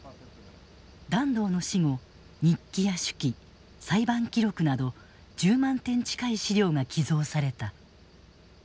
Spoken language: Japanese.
團藤の死後日記や手記裁判記録など１０万点近い資料が寄贈された。